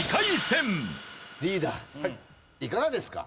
リーダーいかがですか？